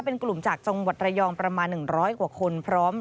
เป็นกลุ่มจากจังหวัดระยองประมาณ๑๐๐กว่าคนพร้อม